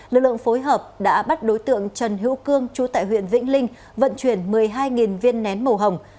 lực lượng phối hợp đã bắt đối tượng trần hữu cương chú tại huyện vĩnh linh vận chuyển một mươi hai viên nén màu hồng